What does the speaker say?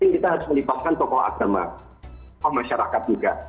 kita harus melibatkan tokoh agama tokoh masyarakat juga